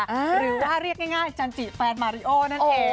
หรือว่าเรียกง่ายจันจิแฟนมาริโอนั่นเอง